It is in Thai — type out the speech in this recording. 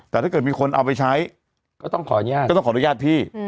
แต่ถ้าเกิดมีคนเอาไปใช้ก็ต้องขออนุญาต